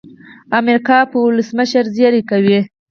امریکا پر ولسمشر زېری کوي.